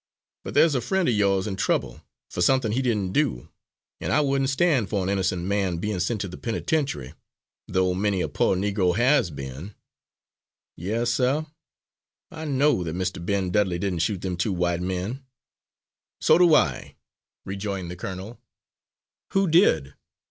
But there's a friend of yo'rs in trouble, for something he didn' do, an' I wouldn' stan' for an innocent man bein' sent to the penitentiary though many a po' Negro has been. Yes, sir, I know that Mr. Ben Dudley didn' shoot them two white men." "So do I," rejoined the colonel. "Who did?"